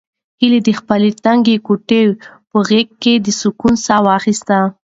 هیلې د خپلې تنګې کوټې په غېږ کې د سکون ساه واخیسته.